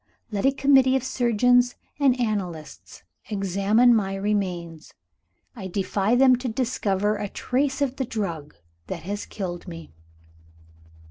Let a committee of surgeons and analysts examine my remains. I defy them to discover a trace of the drug that has killed me.'